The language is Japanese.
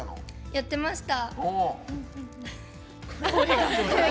やってました。